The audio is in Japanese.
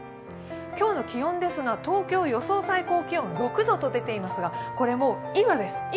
今日の気温ですが東京、予想最高気温６度と出ていますが、これ、もう今です。